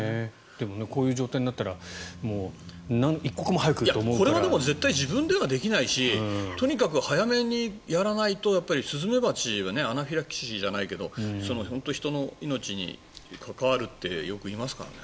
でもこういう状態になったらこれは自分ではできないしとにかく早めにやらないとスズメバチはアナフィラキシーじゃないけど本当に人の命に関わるってよく言いますからね。